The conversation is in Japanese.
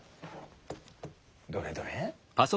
どれどれ。